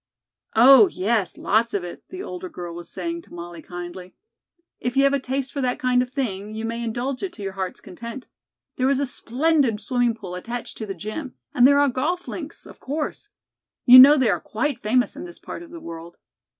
"Oh, yes, lots of it," the older girl was saying to Molly kindly. "If you have a taste for that kind of thing, you may indulge it to your heart's content. There is a splendid swimming pool attached to the gym, and there are golf links, of course. You know they are quite famous in this part of the world.